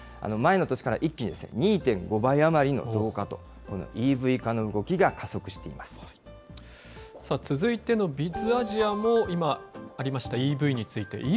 前の年から一気に２．５倍余りの増加と、ＥＶ化の動きが加速して続いてのＢｉｚアジアも、今ありましたＥＶについて。